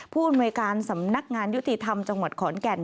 ผู้อำนวยการสำนักงานยุติธรรมจังหวัดขอนแก่น